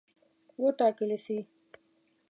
وټاکلي سي.